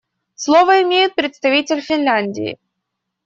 Слово имеет представитель Финляндии.